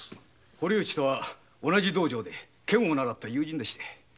堀内とは同じ道場で剣を習った友人です。